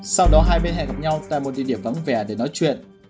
sau đó hai bên hẹn gặp nhau tại một địa điểm vắng vẻ để nói chuyện